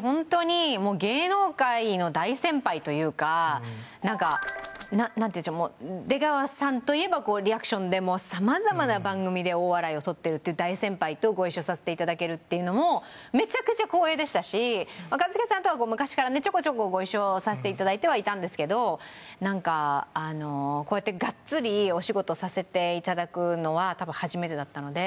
ホントに芸能界の大先輩というかなんかなんていうんでしょう出川さんといえばリアクションで様々な番組で大笑いを取ってるっていう大先輩とご一緒させて頂けるっていうのもめちゃくちゃ光栄でしたし一茂さんとは昔からねちょこちょこご一緒させて頂いてはいたんですけどなんかこうやってがっつりお仕事させて頂くのは多分初めてだったので。